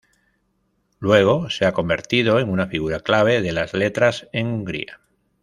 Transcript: Luego, se ha convertido en una figura clave de las letras en Hungría.